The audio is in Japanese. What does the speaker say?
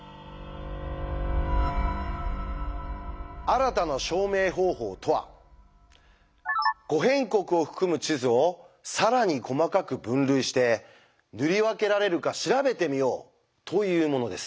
「新たな証明方法」とは「五辺国」を含む地図を更に細かく分類して塗り分けられるか調べてみようというものです。